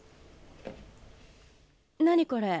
何これ？